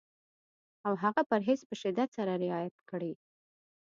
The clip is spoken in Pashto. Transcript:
او هغه پرهېز په شدت سره رعایت کړي.